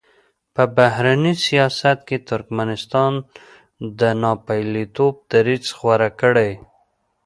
په بهرني سیاست کې ترکمنستان د ناپېیلتوب دریځ غوره کړی.